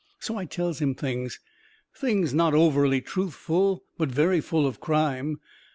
So I tells him things. Things not overly truthful, but very full of crime.